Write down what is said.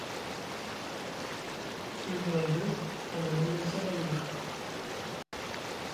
Suwi Gondes a miɗini wini Sali ɓa.